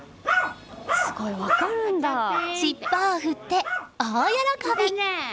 尻尾を振って大喜び。